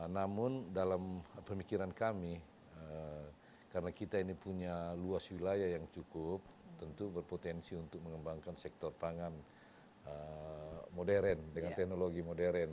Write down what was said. namun dalam pemikiran kami karena kita ini punya luas wilayah yang cukup tentu berpotensi untuk mengembangkan sektor pangan modern dengan teknologi modern